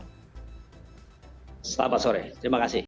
selamat sore terima kasih